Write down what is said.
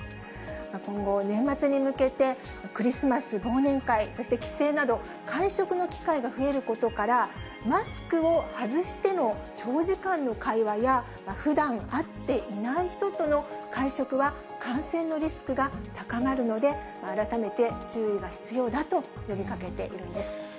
今後、年末に向けてクリスマス、忘年会、そして帰省など、会食の機会が増えることから、マスクを外しての長時間の会話や、ふだん会っていない人との会食は、感染のリスクが高まるので、改めて注意が必要だと呼びかけているんです。